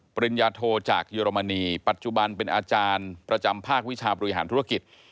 ปริญญาโทจากเยอรมนีปัจจุบันเป็นอาจารย์ประจำภาควิชาบริหารธุรกิจ